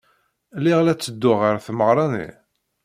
Lliɣ la ttedduɣ ɣer tmeɣra-nni.